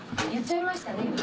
言っちゃいましたね